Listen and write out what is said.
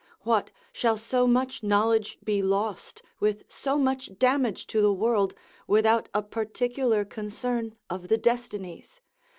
"What, shall so much knowledge be lost, with so much damage to the world, without a particular concern of the destinies?